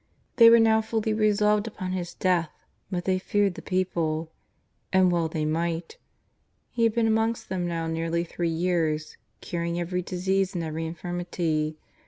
They were now fully resolved upon His death, but they feared the people. And well they might. He had been amongst them now nearly three years, ^^curing every disease and every infirmity."